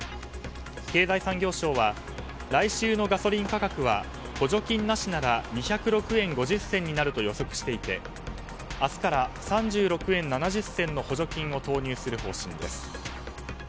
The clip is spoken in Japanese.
経済産業省は来週のガソリン価格は補助金なしなら２０６円５０銭になると予測していて明日から３６円７０銭の補助金を投入する方針です。